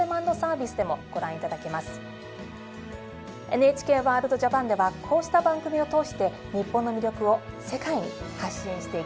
「ＮＨＫワールドＪＡＰＡＮ」ではこうした番組を通して日本の魅力を世界に発信していきます。